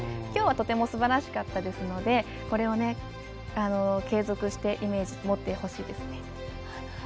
きょうはとてもすばらしかったですのでこれを継続してイメージ持ってほしいですね。